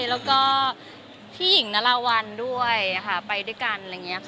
แล้วก็พี่หญิงนรวรไปด้วยกัน